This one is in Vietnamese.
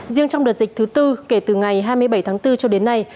riêng trong đợt dịch thứ tư kể từ ngày hai mươi bảy tháng bốn cho đến nay